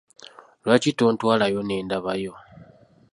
Lwaki tontwalayo nendabayo?